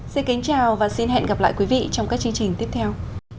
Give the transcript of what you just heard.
xin chào và hẹn gặp lại quý vị trong các chương trình tiếp theo